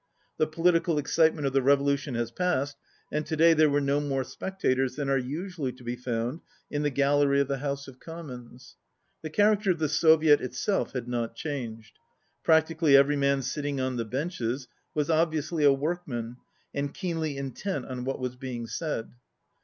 The political excitement of the revolution has passed, and to day there were no more spectators than are usually to be found in the gallery of the House of Com mons. The character of the Soviet itself had not changed. Practically every man sitting on the benches was obviously a workman and keenly in tent on what was being said.